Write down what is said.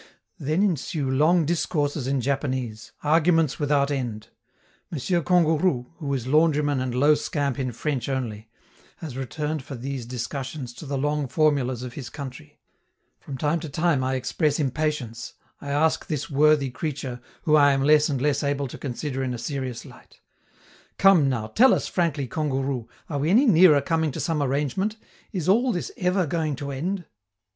Then ensue long discourses in Japanese, arguments without end. M. Kangourou, who is laundryman and low scamp in French only, has returned for these discussions to the long formulas of his country. From time to time I express impatience, I ask this worthy creature, whom I am less and less able to consider in a serious light: "Come now, tell us frankly, Kangourou, are we any nearer coming to some arrangement? Is all this ever going to end?"